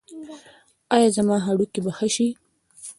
ایا زما هډوکي به ښه شي؟